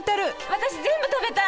私全部食べたい。